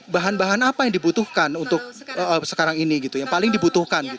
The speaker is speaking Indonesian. bahan bahan apa yang dibutuhkan untuk sekarang ini gitu yang paling dibutuhkan